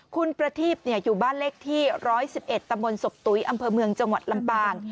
คุณประทีพอยู่บ้านเลขที่๑๑๑ตำบลศพตุ๋ยอำเภอเมืองจังหวัดลำปาง